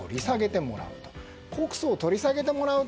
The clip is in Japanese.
告訴を取り下げてもらう。